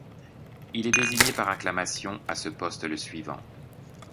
Il est désigné par acclamation à ce poste le suivant.